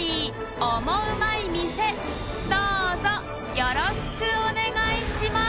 Δよろしくお願いします